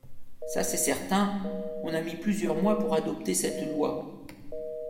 Ça, c’est certain ! On a mis plusieurs mois pour adopter cette loi.